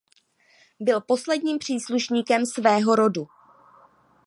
Byl posledním příslušníkem svého rodu.